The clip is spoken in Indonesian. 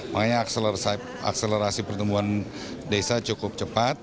makanya akselerasi pertumbuhan desa cukup cepat